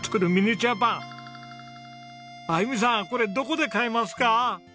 あゆみさんこれどこで買えますか？